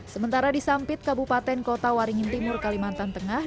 sementara di sampit kabupaten kota waringin timur kalimantan tengah